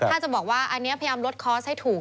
ถ้าจะบอกว่าอันนี้พยายามลดคอร์สให้ถูก